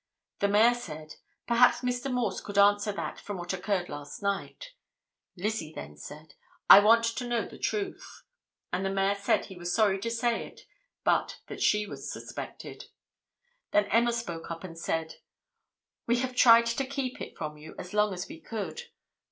the Mayor said, 'Perhaps Mr. Morse could answer that from what occurred last night;' Lizzie then said, 'I want to know the truth,' and the Mayor said he was sorry to say it, but that she was suspected; then Emma spoke up and said, 'We have tried to keep it from you as long as we could.